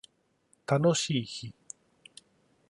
楽しい日